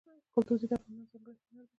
ګلدوزي د افغانانو ځانګړی هنر دی.